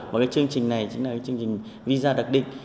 và cái chương trình này chính là cái chương trình visa đặc định